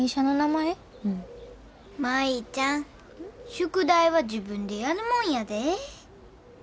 宿題は自分でやるもんやで。